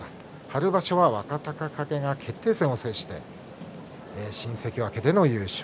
春場所は若隆景が決定戦を制して新関脇での優勝。